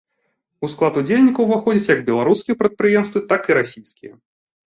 У склад удзельнікаў ўваходзяць як беларускія прадпрыемствы, так і расійскія.